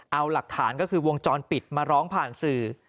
เอาหลักฐานก็คือวงจรปิดมาร้องผ่านสื่อ